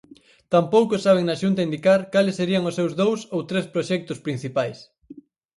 Tampouco saben na Xunta indicar cales serían os seus dous ou tres proxectos principais.